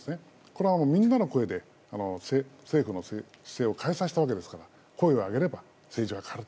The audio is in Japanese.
これは、みんなの声で政府の姿勢を変えさせたわけですから声を上げれば政治は変わる。